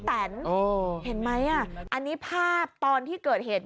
แตนเห็นไหมอ่ะอันนี้ภาพตอนที่เกิดเหตุ